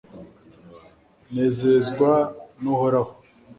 nezezwa n'uhoraho